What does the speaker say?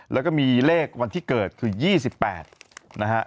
แล้วก็มีเลขวันที่เกิดคือ๒๘นะฮะ